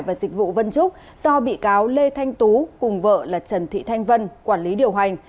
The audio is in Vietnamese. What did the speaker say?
và dịch vụ vân trúc do bị cáo lê thanh tú cùng vợ là trần thị thanh vân quản lý điều hành